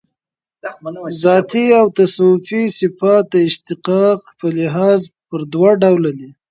ذاتي او توصیفي صفات د اشتقاق په لحاظ پر دوه ډوله دي.